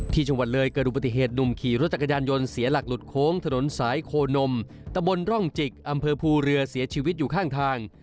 ที่จังหวัดเลยเกิดอุบัติเหตุหนุ่มขี่รถจักรยานยนต์เสียหลักหลุดโค้งถนนสายโคนมตะบนร่องจิกอำเภอภูเรือเสียชีวิตอยู่ข้างทาง